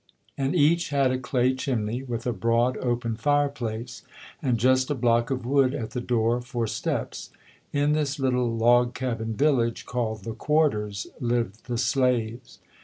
And each had a clay chimney with a broad open fireplace and just a block of wood at the door for steps. In this little log cabin village, called "the quarters" lived the slaves.